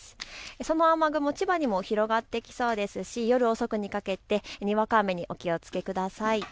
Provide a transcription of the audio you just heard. その雨雲、千葉にも広がってきそうですし夜遅くにかけてにわか雨にお気をつけください。